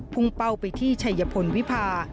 พุ่งเป้าไปที่ชายพลวิพา